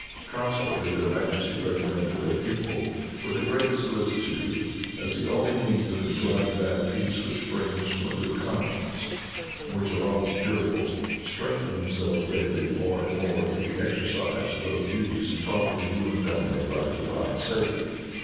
Consequently their majesties recommend to their people, with the greatest solicitude, and as the only means of enjoying that peace which springs from a good conscience, and which alone is durable, to strengthen themselves daily more and more in the exercise of those duties taught to the human family by the divine Saviour.